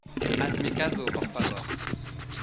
hazme caso, por favor.